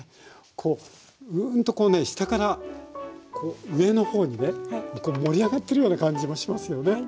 うんとこうね下から上の方にね盛り上がってるような感じもしますよね。